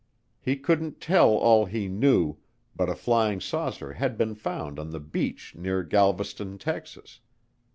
He couldn't tell all he knew, but a flying saucer had been found on the beach near Galveston, Texas.